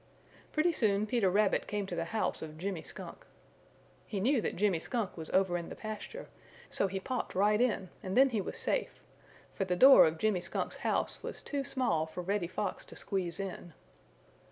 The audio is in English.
Pretty soon Peter Rabbit came to the house of Jimmy Skunk. He knew that Jimmy Skunk was over in the pasture, so he popped right in and then he was safe, for the door of Jimmy Skunk's house was too small for Reddy Fox to squeeze in.